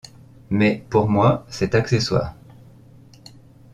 Mais, pour moi, c’est accessoire.